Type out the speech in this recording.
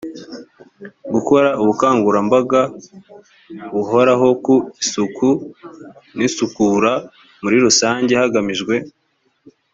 gukora ubukangurambaga buhoraho ku isuku n isukura muri rusange hagamijwe